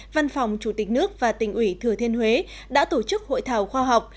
văn phòng chủ tịch nước và tỉnh ủy thừa thiên huế đã tổ chức hội thảo khoa học